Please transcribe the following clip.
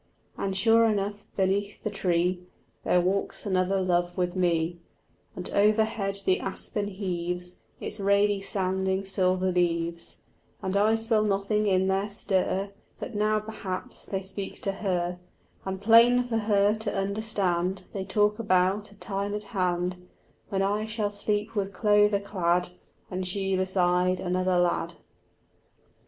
And sure enough beneath the tree There walks another love with me, And overhead the aspen heaves Its rainy sounding silver leaves; And I spell nothing in their stir, But now perhaps they speak to her, And plain for her to understand They talk about a time at hand When I shall sleep with clover clad, And she beside another lad.